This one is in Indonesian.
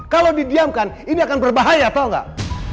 kalau didiamkan ini akan berbahaya tau gak